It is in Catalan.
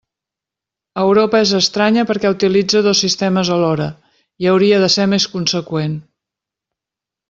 Europa és estranya perquè utilitza dos sistemes alhora, i hauria de ser més conseqüent.